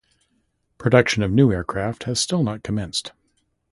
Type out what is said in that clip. Production of new aircraft had still not commenced.